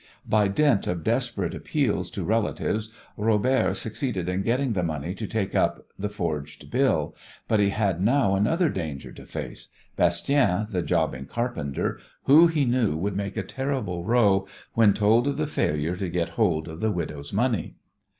By dint of desperate appeals to relatives Robert succeeded in getting the money to take up the forged bill, but he had now another danger to face Bastien, the jobbing carpenter, who, he knew, would make a terrible row when told of the failure to get hold of the widow's money.